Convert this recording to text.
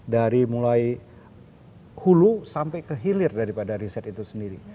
dari mulai hulu sampai kehilir daripada riset itu sendiri